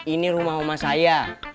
ini rumah rumah saya